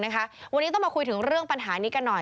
วันนี้ต้องมาคุยถึงเรื่องปัญหานี้กันหน่อย